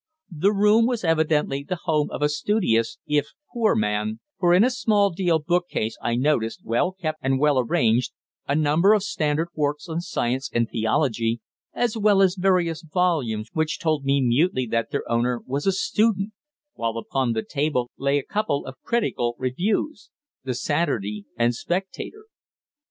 The room was evidently the home of a studious, if poor, man, for in a small deal bookcase I noticed, well kept and well arranged, a number of standard works on science and theology, as well as various volumes which told me mutely that their owner was a student, while upon the table lay a couple of critical reviews, the "Saturday" and "Spectator."